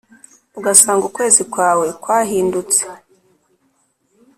ugasanga ukwezi kwawe kwahindutse